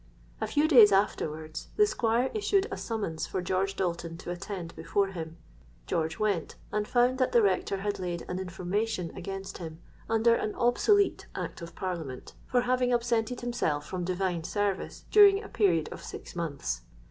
A few days afterwards the Squire issued a summons for George Dalton to attend before him. George went, and found that the Rector had laid an information against him, under an obsolete Act of Parliament, for having absented himself from divine service during a period of six months.